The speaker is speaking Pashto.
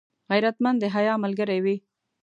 غیرتمند د حیا ملګری وي